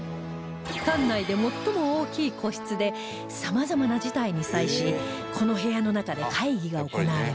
艦内で最も大きい個室で様々な事態に際しこの部屋の中で会議が行われます